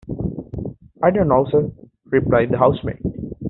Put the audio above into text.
‘I don’t know, sir,’ replied the housemaid.